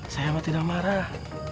saya mah tidak marah